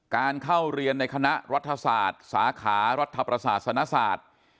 การเข้าเรียนในคณะรัฐศาสตร์สาขารัฐประศาสนศาสตร์